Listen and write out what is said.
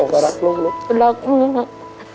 ผมก็รักลูกลูก